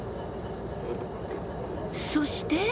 そして。